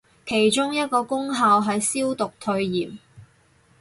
其中一個功效係消毒退炎